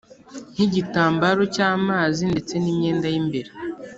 nk’igitambaro cy’amazi ndetse n’imyenda y’imbere